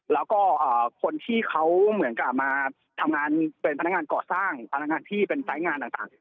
แล้วก็คนที่เขาเหมือนกับมาทำงานเป็นพนักงานก่อสร้างพนักงานที่เป็นสายงานต่าง